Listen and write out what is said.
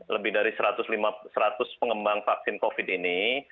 lebih dari seratus pengembang vaksin covid ini